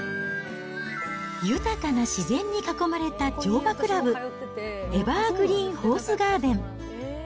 豊かな自然に囲まれた乗馬クラブ、エバーグリーンホースガーデン。